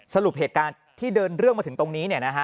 สรุปเหตุการณ์ที่เดินเรื่องมาถึงตรงนี้